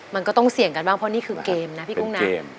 มันก็ต้องเสี่ยงกันบ้างเพราะนี่คือเกมนะพี่กุ้งนะ